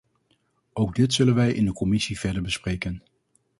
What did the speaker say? Ook dit zullen wij in de commissie verder bespreken.